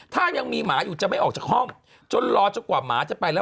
ถ้ายังมีหมาอยู่จะไม่ออกจากห้องจนรอจนกว่าหมาจะไปแล้ว